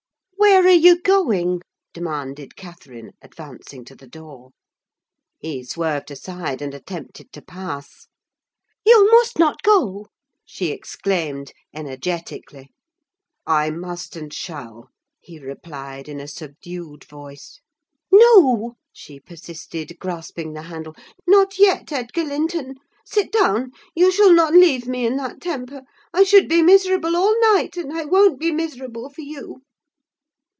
"Where are you going?" demanded Catherine, advancing to the door. He swerved aside, and attempted to pass. "You must not go!" she exclaimed, energetically. "I must and shall!" he replied in a subdued voice. "No," she persisted, grasping the handle; "not yet, Edgar Linton: sit down; you shall not leave me in that temper. I should be miserable all night, and I won't be miserable for you!"